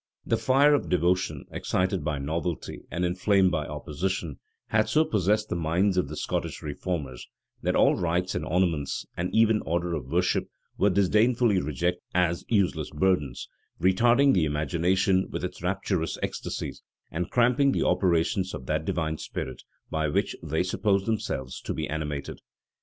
The fire of devotion, excited by novelty, and inflamed by opposition, had so possessed the minds of the Scottish reformers, that all rites and ornaments, and even order of worship, were disdainfully rejected as useless burdens; retarding the imagination in its rapturous ecstasies, and cramping the operations of that divine spirit by which they supposed themselves to be animated.